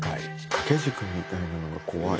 掛け軸みたいなのが怖い。